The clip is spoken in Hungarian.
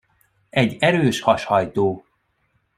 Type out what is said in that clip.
Egy erős hashajtó.